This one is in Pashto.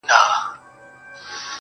زما خو ټوله كيسه هر چاته معلومه.